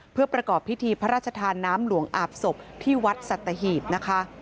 เพื่อประกอบพิธีพระราชทานน้ำหลวงอาบศพที่วัดสัตหีบนะคะ